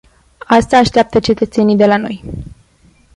Asta așteaptă cetățenii de la noi.